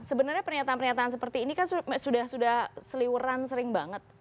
sebenarnya pernyataan pernyataan seperti ini kan sudah seliweran sering banget